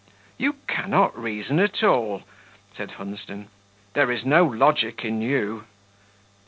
"You cannot reason at all," said Hunsden; "there is no logic in you."